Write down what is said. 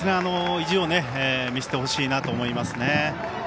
意地を見せてほしいなと思いますね。